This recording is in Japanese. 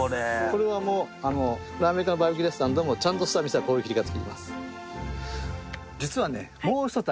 これはもうアメリカのバーベキューレストランでもちゃんとした店はこういう切り方で切ります。